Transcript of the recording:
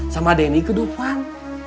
sama dene kedepan